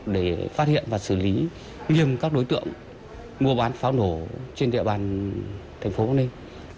để phát hiện và xử lý nghiêm các đối tượng mua bán pháo nổ trên địa bàn thành phố bắc ninh